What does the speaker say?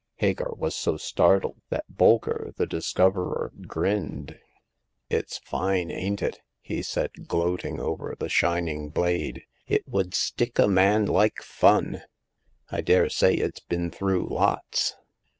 Hagar was so startled that Bolker, the discoverer, grinned. " It's fine, ain't it ?" he said, gloating over the shining blade. It would stick a man like fun ! I dare say it's been through lots.